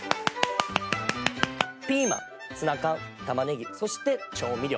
ピーマンツナ缶玉ねぎそして調味料。